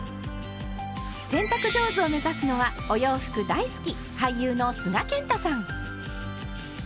洗濯上手を目指すのはお洋服大好き俳優の須賀健太さん。